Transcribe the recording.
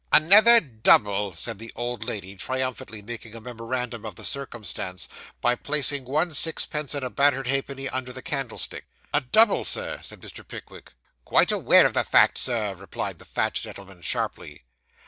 'Another double,' said the old lady, triumphantly making a memorandum of the circumstance, by placing one sixpence and a battered halfpenny under the candlestick. 'A double, sir,' said Mr. Pickwick. 'Quite aware of the fact, Sir,' replied the fat gentleman sharply.